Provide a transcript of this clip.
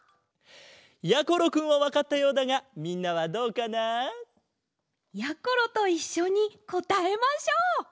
やころくんはわかったようだがみんなはどうかな？やころといっしょにこたえましょう！